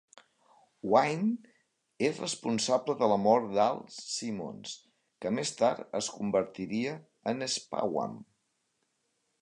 Wynn és responsable de la mort d'Al Simmons, que més tard es convertiria en Spawn.